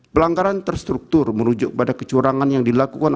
pelanggaran terstruktur merujuk pada kecurangan yang dilakukan